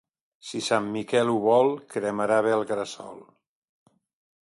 Si Sant Miquel ho vol, cremarà bé el gresol.